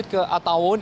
sampai ke attawon